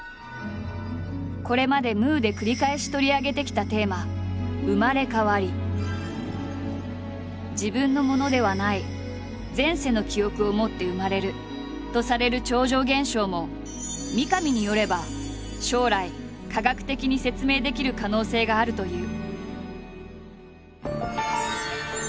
これまで「ムー」で繰り返し取り上げてきたテーマ自分のものではない前世の記憶を持って生まれるとされる超常現象も三上によれば将来科学的に説明できる可能性があるという。